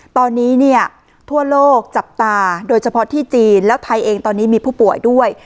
ตอนนี้เนี่ยทั่วโลกจับตาโดยเฉพาะที่จีนแล้วไทยเองตอนนี้มีผู้ป่วยด้วย